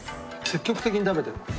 積極的に食べてるもん。